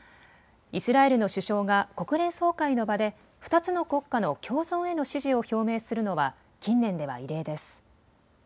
イスラエルの首相が国連総会の場で２つの国家の共存への支持を表明するのは近年では異例です。